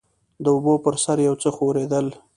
د اوبو پر سر يو څه ښورېدل.